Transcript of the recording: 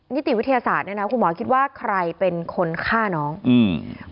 นิติวิทยาศาสตร์เนี้ยนะคุณหมอคิดว่าใครเป็นคนฆ่าน้องอืม